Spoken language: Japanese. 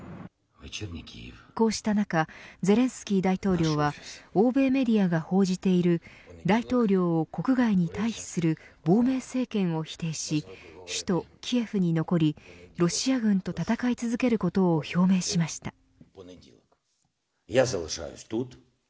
こうした中、ゼレンスキー大統領は欧米メディアが報じている大統領を国外に退避する亡命政権を否定し首都キエフに残りロシア軍と戦い続けることを表明しました。